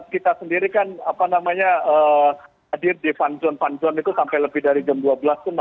kita sendiri kan apa namanya hadir di fun zone fun zone itu sampai lebih dari jam dua belas itu masih ramai